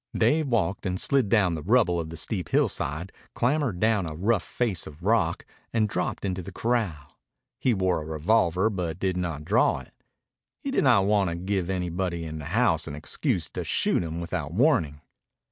Dave walked and slid down the rubble of the steep hillside, clambered down a rough face of rock, and dropped into the corral: He wore a revolver, but he did not draw it. He did not want to give anybody in the house an excuse to shoot at him without warning.